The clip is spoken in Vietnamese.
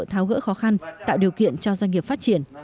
tháo gỡ khó khăn tạo điều kiện cho doanh nghiệp phát triển